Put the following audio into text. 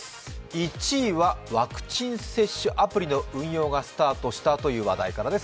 １位は、ワクチン接種証明アプリの運用がスタートしたという話題からです。